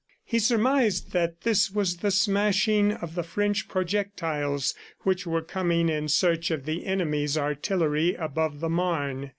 He surmised that this was the smashing of the French projectiles which were coming in search of the enemy's artillery above the Marne.